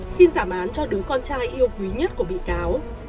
xin giảm án cho đứa con trai yêu quý nhất của bị cáo